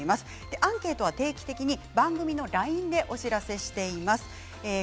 アンケートは定期的に番組のＬＩＮＥでお知らせしています。